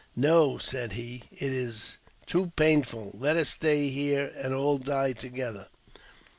" No," said he, " it is too painful ; let us stay here and all die together."